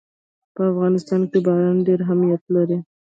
په افغانستان کې باران ډېر اهمیت لري.